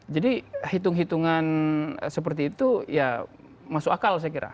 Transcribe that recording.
jadi hitung hitungan seperti itu ya masuk akal saya kira